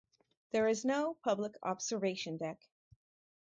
There is no public observation deck.